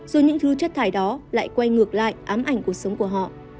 rồi những thứ chất thải đó lại quay ngược lại ám ảnh cuộc sống của họ